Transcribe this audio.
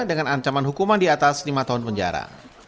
dengan ancaman hukuman di atas lima tahun penjara